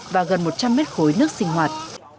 và gần một trăm linh mét khối nước sinh hoạt